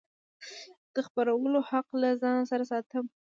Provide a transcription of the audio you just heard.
د خپرولو حق له ځان سره ساتم.